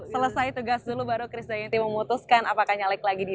selesai tugas dulu baru kristalianti memutuskan apakah nyalek lagi di dua ribu dua puluh empat